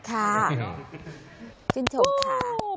ชื่นชมค่ะ